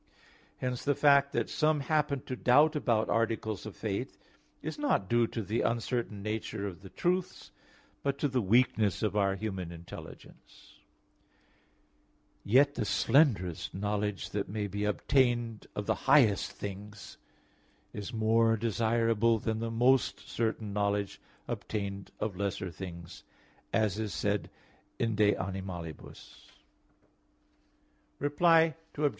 i). Hence the fact that some happen to doubt about articles of faith is not due to the uncertain nature of the truths, but to the weakness of human intelligence; yet the slenderest knowledge that may be obtained of the highest things is more desirable than the most certain knowledge obtained of lesser things, as is said in de Animalibus xi. Reply Obj.